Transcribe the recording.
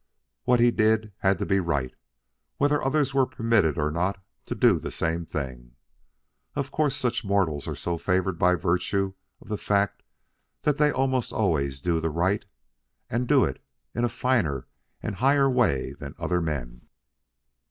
What he did had to be right, whether others were permitted or not to do the same things. Of course, such mortals are so favored by virtue of the fact that they almost always do the right and do it in finer and higher ways than other men.